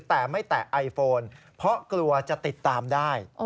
แต่ไม่แตะไอโฟนเพราะกลัวจะติดตามได้